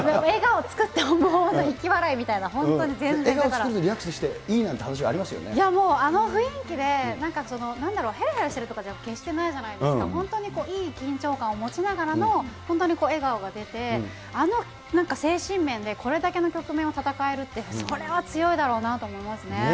笑顔作ってリラックスしていいや、もう、あの雰囲気で、なんだろう、へらへらしてるとかじゃないじゃないですか、本当にいい緊張感を持ちながらの、本当に笑顔が出て、あの精神面で、これだけの局面を戦えるって、それは強いだろうなと思いますね。